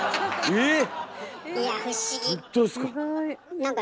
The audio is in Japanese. えっ